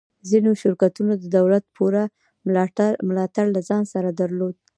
ځینو شرکتونو د دولت پوره ملاتړ له ځان سره درلود